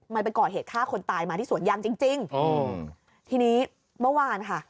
มันเป็นก่อเหตุฆ่าคนตายมาที่สวนยางจริงที่นี้เมื่อวานค่ะ